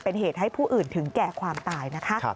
เป็นเหตุให้ผู้อื่นถึงแก่ความตายนะคะ